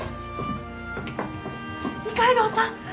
二階堂さん！